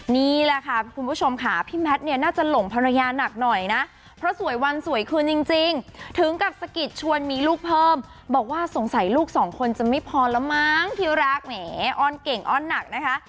นี่แหละค่ะคุณผู้ชมค่ะพี่แมทเนี่ยน่าจะหลงภรรยาหนักหน่อยนะเพราะสวยวันสวยคืนจริงถึงกับสะกิดชวนมีลูกเพิ่มบอกว่าสงสัยลูกสองคนจะไม่พอแล้วมั้งที่รักแหมอ้อ้อนเก่งอ้อนหนักนะคะ